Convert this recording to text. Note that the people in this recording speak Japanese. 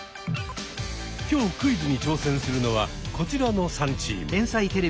今日クイズに挑戦するのはこちらの３チーム。